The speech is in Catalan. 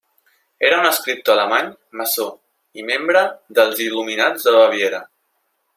Era un escriptor alemany maçó i membre dels Il·luminats de Baviera.